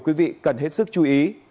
quý vị cần hết sức chú ý